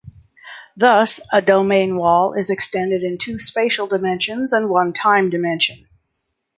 Thus a domain wall is extended in two spatial dimensions and one time dimension.